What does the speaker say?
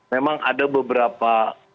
memang ada beberapa